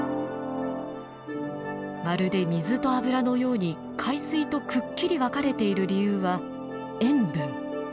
まるで水と油のように海水とくっきり分かれている理由は塩分。